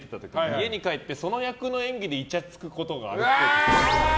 家に帰って、その役の演技でいちゃつくことがあるっぽい。